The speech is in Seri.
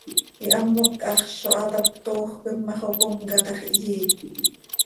Ihamoc quih haxz zo haa tap, toojöquim ma, xocomca tax, ihyí.